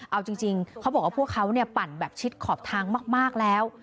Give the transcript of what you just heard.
เอาจริงเขาบอกว่าพวกเขาปั่นแบบชิดขอบทางมากแล้ว